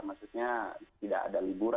maksudnya tidak ada liburan